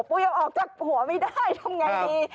ยังออกจากหัวไม่ได้ทำไงดี